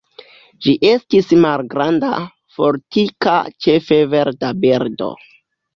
Ĝi estas malgranda, fortika, ĉefe verda birdo.